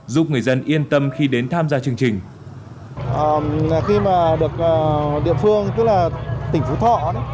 giúp người dân yên tâm khi đến tham gia chương trình